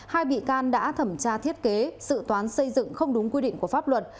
hai bị can đã thẩm tra thiết kế sự toán xây dựng không đúng quy định của pháp luật